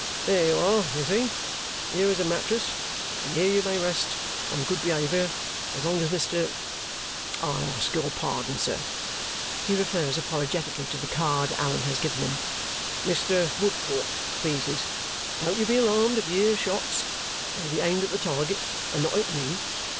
"There you are, you see! Here is a mattress, and here you may rest, on good behaviour, as long as Mr., I ask your pardon, sir" he refers apologetically to the card Allan has given him "Mr. Woodcourt pleases. Don't you be alarmed if you hear shots; they'll be aimed at the target, and not you.